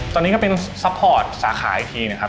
ตอนนี้ก็เป็นซัพพอร์ตสาขาอีกทีนะครับ